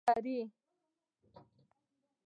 زردالو د میوې د پاچا لقب لري.